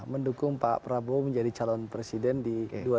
mendukung pak prabowo menjadi calon presiden di dua ribu dua puluh